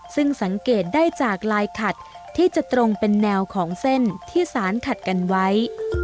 ซึ่งสังเกตได้จากลายขัดที่จะตรงเป็นแนวของเส้นที่สารขัดกันไว้